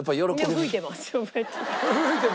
吹いてますよ